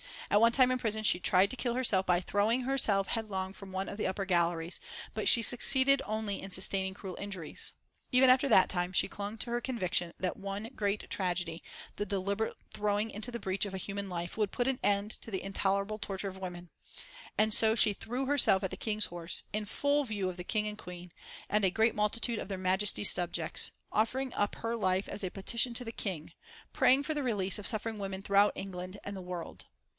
At one time in prison she tried to kill herself by throwing herself head long from one of the upper galleries, but she succeeded only in sustaining cruel injuries. Ever after that time she clung to her conviction that one great tragedy, the deliberate throwing into the breach of a human life, would put an end to the intolerable torture of women. And so she threw herself at the King's horse, in full view of the King and Queen and a great multitude of their Majesties' subjects, offering up her life as a petition to the King, praying for the release of suffering women throughout England and the world.